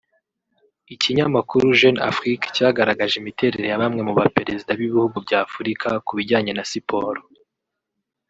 Ikinyamakuru Jeune Afrique cyagaragaje imiterere ya bamwe mu baperezida b’ibihugu bya Afurika ku bijyanye na siporo